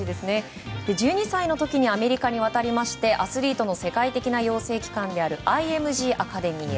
１２歳の時にアメリカに渡りましてアスリートの世界的な養成機関であるＩＭＧアカデミーへ。